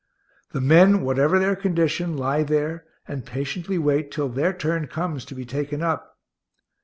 The men, whatever their condition, lie there and patiently wait till their turn comes to be taken up.